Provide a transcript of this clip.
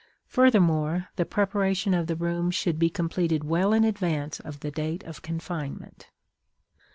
Furthermore, the preparation of the room should be completed well in advance of the date of confinement.